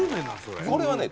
これはね